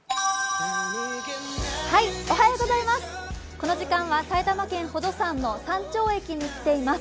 この時間は埼玉県宝登山の山頂駅に来ています。